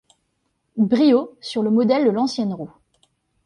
Brio, sur le modèle de l'ancienne roue.